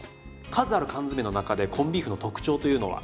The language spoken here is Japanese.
数ある缶詰の中でコンビーフの特徴というのは？